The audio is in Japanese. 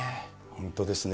本当ですね。